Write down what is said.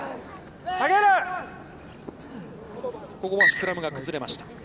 ここはスクラムが崩れました。